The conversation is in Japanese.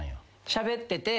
しゃべってて。